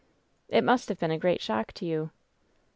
"It must have been a great shock to you."